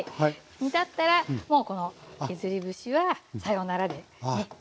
煮立ったらもうこの削り節はさよならでね。